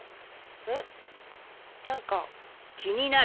うん？何か。